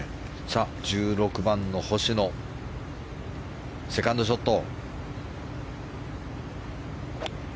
さあ、１６番の星野セカンドショット。